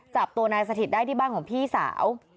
จับตัวนายสถิตได้ที่บ้านของพี่สาว